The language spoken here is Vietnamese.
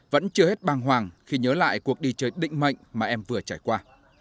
vẫn chưa hết băng hoàng khi nhớ lại cuộc đi chơi định mệnh mà em vừa trải qua